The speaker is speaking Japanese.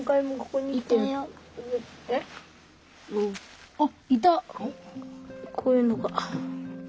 こういうのが。